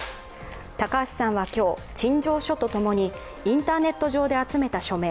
高橋さんは今日、陳情書とともにインターネット上で集めた署名